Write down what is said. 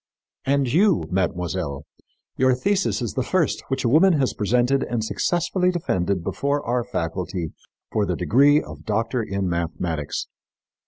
And you, mademoiselle, your thesis is the first which a woman has presented and successfully defended before our faculty for the degree of doctor in mathematics.